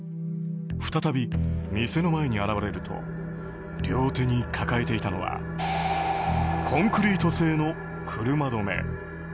再び店の前に現れると両手に抱えていたのはコンクリート製の車止め。